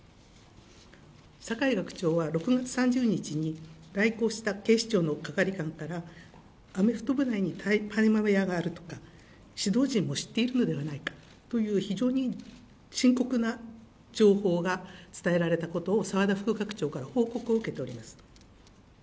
酒井学長は６月３０日に来校した警視庁の係官から、アメフト部内に大麻部屋があるとか、指導陣も知っているのではないかという非常に深刻な情報が伝えられたことを、澤田副学長から報告を受けております。